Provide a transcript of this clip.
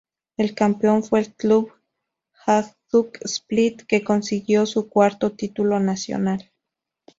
El campeón fue el club Hajduk Split que consiguió su cuarto título nacional.